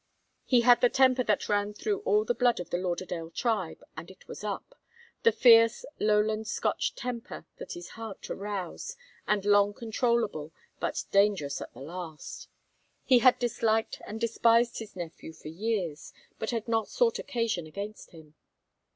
He had the temper that ran through all the blood of the Lauderdale tribe, and it was up the fierce, Lowland Scotch temper that is hard to rouse, and long controllable, but dangerous at the last. He had disliked and despised his nephew for years, but had not sought occasion against him.